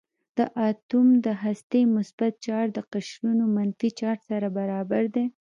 د اتوم د هستې مثبت چارج د قشرونو منفي چارج سره برابر دی.